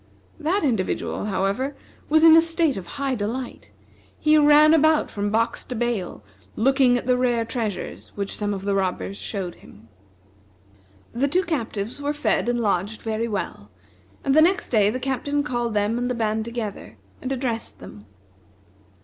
That individual, however, was in a state of high delight. He ran about from box to bale, looking at the rare treasures which some of the robbers showed him. The two captives were fed and lodged very well; and the next day the Captain called them and the band together, and addressed them.